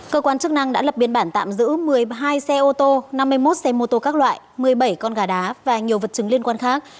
cơ quan chức năng đã lập biên bản tạm giữ một mươi hai xe ô tô năm mươi một xe mô tô các loại một mươi bảy con gà đá và nhiều vật chứng liên quan khác